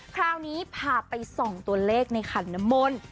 คราวนี้พาไป๒ตัวเลขในขันนมล